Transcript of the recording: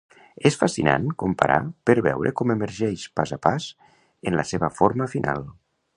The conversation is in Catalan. És fascinant comparar per veure com emergeix, pas a pas, en la seva forma final.